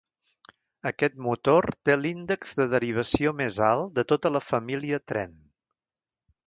Aquest motor té l'índex de derivació més alt de tota la família Trent.